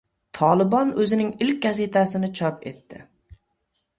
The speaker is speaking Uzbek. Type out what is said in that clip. “Tolibon” o‘zining ilk gazetasini chop etdi